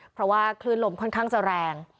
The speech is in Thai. เพราะว่าคลื่นลมค่อนข้างจะแรง